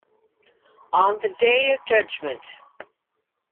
On the day of judgment.